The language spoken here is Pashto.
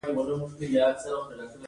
هغه د پرېکړې نیولو اصلي کانون دی.